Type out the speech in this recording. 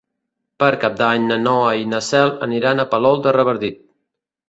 Per Cap d'Any na Noa i na Cel aniran a Palol de Revardit.